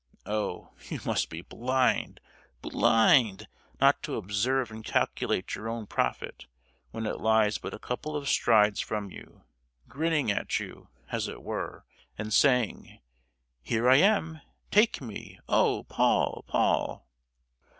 Oh! you must be blind,—blind, not to observe and calculate your own profit when it lies but a couple of strides from you, grinning at you, as it were, and saying, 'Here, I am yours, take me! Oh, Paul, Paul!